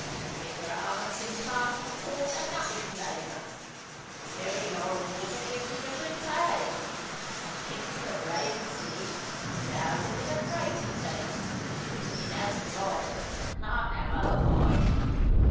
Bitter almonds imparts to port a nutty flavour; cherry laurel water gives it a bouquet; and tincture of raisin seeds endows it with a grapy taste—which it hasn't got and can't have otherwise.